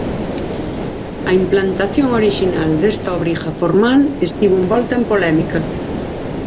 A implantación orixinal desta obriga formal estivo envolta en polémica.